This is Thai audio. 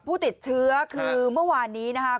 ผู้ติดเชื้อคือเมื่อวานนี้นะครับ